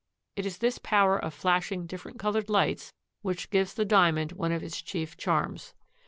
It is this power of flashing different colored lights which gives the Diamond one of its chief charms.